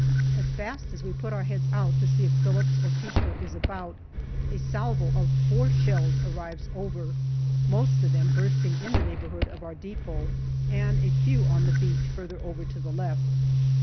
As fast as we put 230 GALLIPOLI DIARY our heads out to see if Phillips or Petro is about, a salvo of four shells arrives over, most of them bursting in the neighbourhood of our depot and a few on the beach further over to the left.